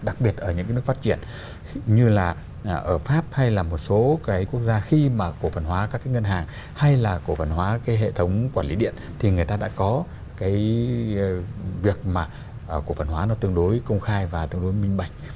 đặc biệt ở những cái nước phát triển như là ở pháp hay là một số cái quốc gia khi mà cổ phần hóa các cái ngân hàng hay là cổ phần hóa cái hệ thống quản lý điện thì người ta đã có cái việc mà cổ phần hóa nó tương đối công khai và tương đối minh bạch